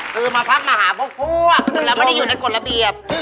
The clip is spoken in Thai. คือมาพักมาหาพวกแล้วไม่ได้อยู่ในกฎระเบียบ